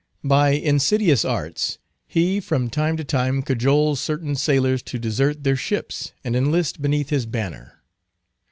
By insidious arts he, from time to time, cajoles certain sailors to desert their ships, and enlist beneath his banner.